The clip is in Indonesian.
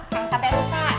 jangan sampe rusak